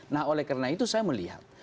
nah oleh karena itu saya melihat